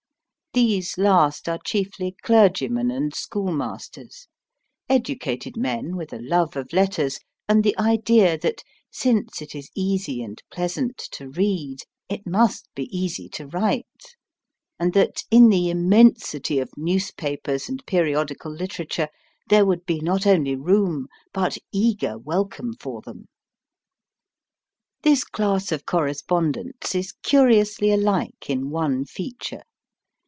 These last are chiefly clergymen and schoolmasters educated men with a love of letters and the idea that, since it is easy and pleasant to read, it must be easy to write, and that in the immensity of newspapers and periodical literature there would be not only room, but eager welcome for them. This class of correspondents is curiously alike in one feature.